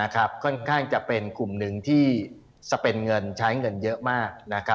ค่อนข้างจะเป็นกลุ่มหนึ่งที่จะเป็นเงินใช้เงินเยอะมาก